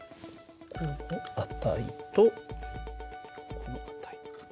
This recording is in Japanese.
この値とこの値。